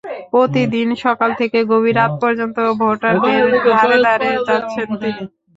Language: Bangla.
প্রতিদিন সকাল থেকে গভীর রাত পর্যন্ত ভোটারদের দ্বারে দ্বারে যাচ্ছেন তিনি।